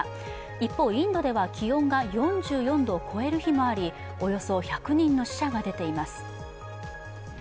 一方、インドでは気温が４４度を超える日もありおよそ１００人の死者が出ています。